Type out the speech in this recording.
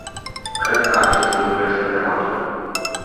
Cred că acest lucru este prematur.